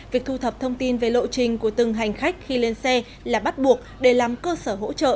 việc thu thập thông tin về lộ trình của từng hành khách khi lên xe là bắt buộc để làm cơ sở hỗ trợ